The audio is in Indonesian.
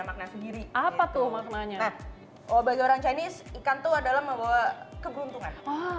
makna sendiri apa tuh maknanya oh bagi orang chinese ikan tuh adalah membawa keberuntungan